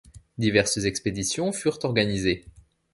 Diverses expéditions furent organisées.